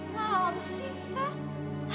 lalu apa sih